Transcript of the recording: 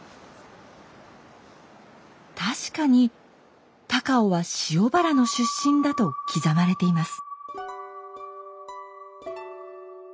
確かに高尾は塩原の出身だと刻まれています。